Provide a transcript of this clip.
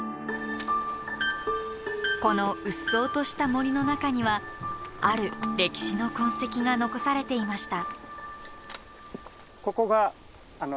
このうっそうとした森の中にはある歴史の痕跡が残されていました。